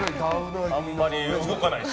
あんまり動かないし。